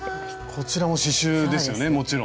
こちらも刺しゅうですよねもちろん。